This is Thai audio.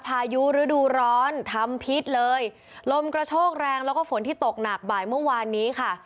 พายุฤดูร้อนทำพิษเลยลมกระโชกแรงแล้วก็ฝนที่ตกหนักบ่ายเมื่อวานนี้ค่ะ